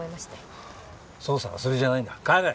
はぁ捜査は遊びじゃないんだ帰れ。